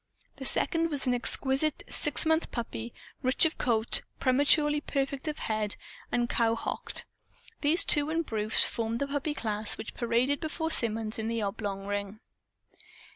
The second was an exquisite six months puppy, rich of coat, prematurely perfect of head, and cowhocked. These two and Bruce formed the puppy class which paraded before Symonds in the oblong ring.